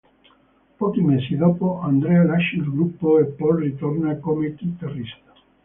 Pochi mesi dopo, Andrea lascia il gruppo e Pol ritorna come chitarrista.